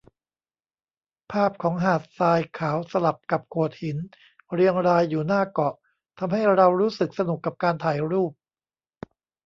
ภาพของหาดทรายขาวสลับกับโขดหินเรียงรายอยู่หน้าเกาะ ทำให้เรารู้สึกสนุกกับการถ่ายรูป